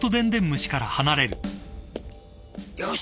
よし！